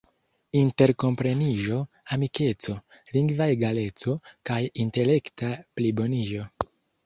interkompreniĝo, amikeco, lingva egaleco, kaj intelekta pliboniĝo.